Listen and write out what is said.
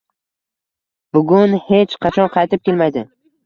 Bugun hech qachon qaytib kelmaydi